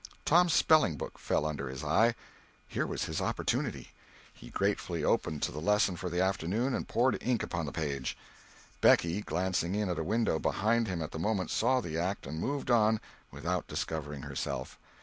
Tom's spelling book fell under his eye. Here was his opportunity. He gratefully opened to the lesson for the afternoon and poured ink upon the page. Becky, glancing in at a window behind him at the moment, saw the act, and moved on, without discovering herself.